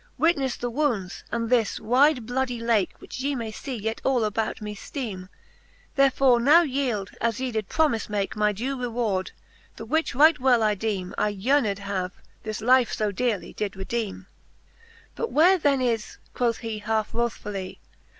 WitnefTe the wounds, and this wyde bloudie lake, Which ye may fee yet all about me fteeme. Therefore now yeeld, as ye did promife make, My due reward, the which right well I deeme ' I yearned have, that life fo dearely did redeeme. XVI. But where then is, quoth he half wrothfully.